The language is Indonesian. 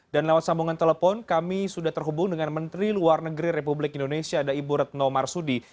dan lewat sambungan telepon kami sudah terhubung dengan menteri luar negeri republik indonesia dai burutno marsudi